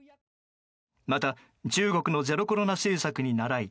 また中国のゼロコロナ政策に倣い